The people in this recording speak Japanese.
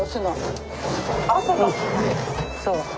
そう。